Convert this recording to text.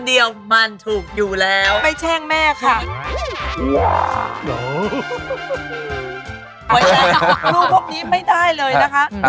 เห้ยรู้พวกนี้ไม่ได้เลยนะคะ